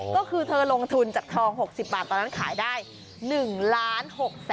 เธอจะลงทุนจากทอง๖๐บาทตอนนั้นขายได้๑๐๖๐๐๐บาท